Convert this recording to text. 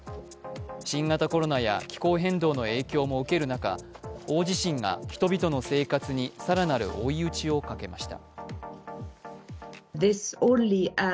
新型コロナや気候変動の影響も受ける中、大地震が人々の生活に更なる追い打ちをかけました。